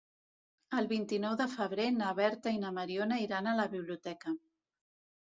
El vint-i-nou de febrer na Berta i na Mariona iran a la biblioteca.